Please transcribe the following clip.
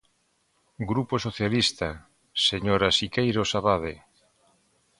Grupo Socialista, señora Siqueiros Abade.